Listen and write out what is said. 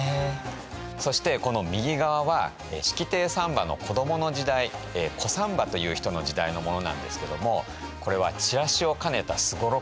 そしてこの右側は式亭三馬の子どもの時代小三馬という人の時代のものなんですけどもこれはチラシを兼ねた双六なんですね。